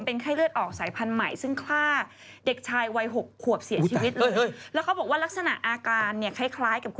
โอ้โหโหโหโห